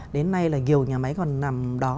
đến nay là nhiều nhà máy còn nằm đó